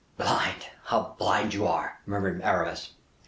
"Blind, how blind you are!" murmured Aramis.